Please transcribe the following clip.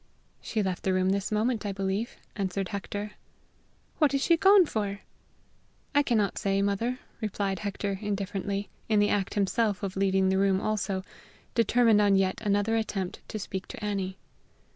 "She left the room this moment, I believe," answered Hector. "What is she gone for?" "I cannot say, mother," replied Hector indifferently, in the act himself of leaving the room also, determined on yet another attempt to speak to Annie.